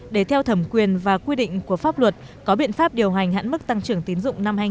để theo thẩm quyền và quy định của pháp luật có biện pháp điều hành hạn mức tăng trưởng tiến dụng